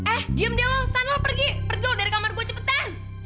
eh diam dia lu sanel pergi perjual dari kamar gua cepetan